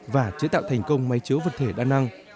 và chế tạo thành công máy chiếu vật thể đa năng